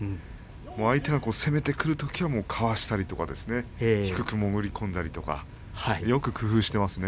相手が攻めてくるときはかわしたり低く潜り込んだりとかよく工夫していますね。